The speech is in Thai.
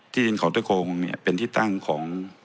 ที่ดินของเตอร์โครงเนี่ยเป็นที่ตั้งของ